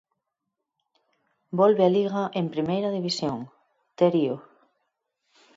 Volve a Liga en Primeira División, Terio.